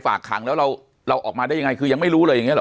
ฝากขังแล้วเราออกมาได้ยังไงคือยังไม่รู้เลยอย่างนี้หรอ